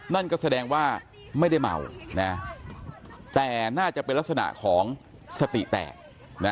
นั่นก็แสดงว่าไม่ได้เมานะแต่น่าจะเป็นลักษณะของสติแตกนะ